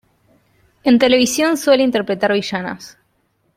En televisión suele interpretar villanas.